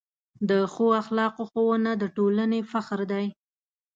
د ښو اخلاقو ښوونه د ټولنې فخر دی.